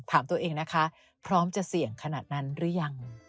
ถามตัวเองนะคะพร้อมจะเสี่ยงขนาดนั้นหรือยัง